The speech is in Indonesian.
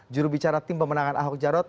jurubicara tim pemenangan ahok jarot